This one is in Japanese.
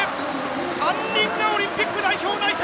３人がオリンピック代表内定！